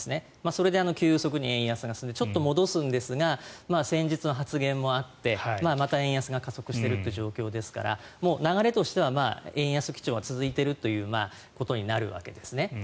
それから急速に円安が進んでちょっと戻すんですが先月の発言もあってまた円安が加速している状況ですから流れとしては円安基調が続いているということになるわけですね。